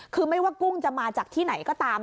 คือไม่ว่ากุ้งจะมาจากที่ไหนก็ตาม